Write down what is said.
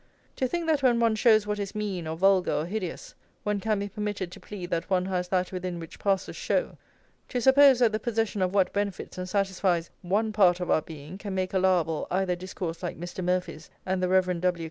To think that when one shows what is mean, or vulgar, or hideous, one can be permitted to plead that one has that within which passes show; to suppose that the possession of what benefits and satisfies one part of our being can make allowable either discourse like Mr. Murphy's and the Rev. W.